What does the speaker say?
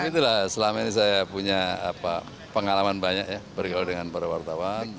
nah itulah selama ini saya punya apa pengalaman banyak ya bergabung dengan para wartawan